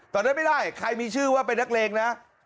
ไม่ได้ใครมีชื่อว่าเป็นนักเลงนะ